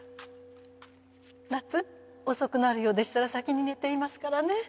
奈津遅くなるようでしたら先に寝ていますからね。